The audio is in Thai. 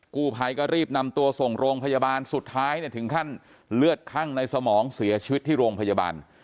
กู้ภัยก็รีบนำตัวส่งโรงพยาบาลสุดท้ายเนี่ยถึงขั้นเลือดคั่งในสมองเสียชีวิตที่โรงพยาบาล